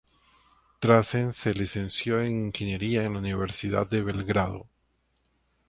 Drazen se licenció en Ingeniería en la Universidad de Belgrado.